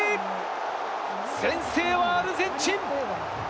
先制はアルゼンチン！